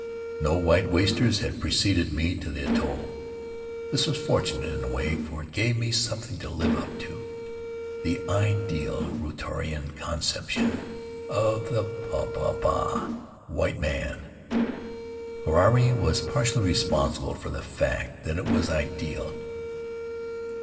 No white wasters had pre ceded me at the atoll. This was fortunate in a way, for it gave me something to live up to — the ideal Rutiaroan conception of the popaa — white man. Huirai was partly responsible for the fact that it was ideal.